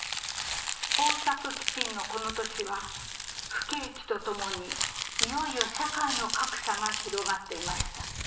豊作飢きんのこの年は不景気とともにいよいよ社会の格差が広がっていました。